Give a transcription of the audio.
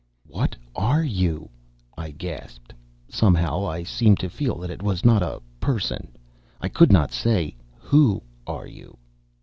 "What are you?" I gasped. Somehow I seemed to feel that it was not a person—I could not say, Who are you?